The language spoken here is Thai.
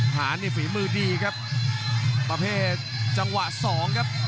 หารนี่ฝีมือดีครับประเภทจังหวะสองครับ